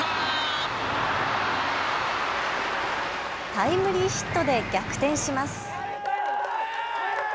タイムリーヒットで逆転します。